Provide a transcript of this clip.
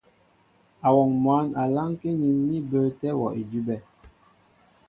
Awɔŋ mwǎn a lánkí nín mí bəətɛ́ wɔ́ idʉ́bɛ́.